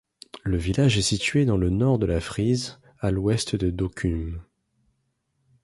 Le village est situé dans le nord de la Frise, à l'ouest de Dokkum.